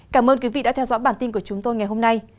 cảm ơn quý vị đã theo dõi bản tin của chúng tôi ngày hôm nay